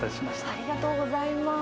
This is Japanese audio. ありがとうございます。